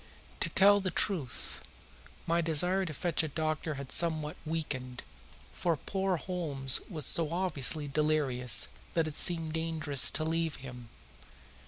To tell the truth, my desire to fetch a doctor had somewhat weakened, for poor Holmes was so obviously delirious that it seemed dangerous to leave him.